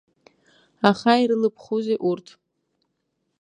Аха ирылыбхузеи урҭ?